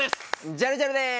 ジャルジャルです。